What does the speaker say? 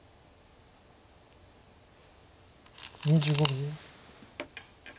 ２５秒。